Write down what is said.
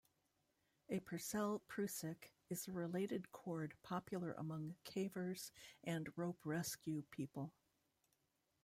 A Purcell Prusik is a related cord popular among cavers and rope-rescue people.